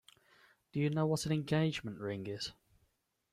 Do you know what an engagement ring is?